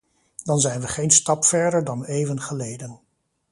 Dan zijn we geen stap verder dan eeuwen geleden.